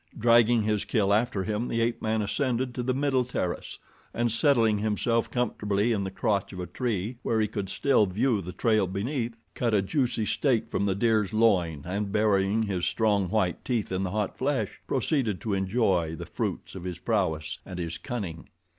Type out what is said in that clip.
Dragging his kill after him the ape man ascended to the middle terrace, and settling himself comfortably in the crotch of a tree where he could still view the trail beneath, cut a juicy steak from the deer's loin, and burying his strong, white teeth in the hot flesh proceeded to enjoy the fruits of his prowess and his cunning.